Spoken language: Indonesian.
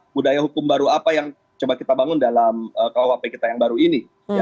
budaya hukum baru apa yang coba kita bangun dalam kuhp kita yang baru ini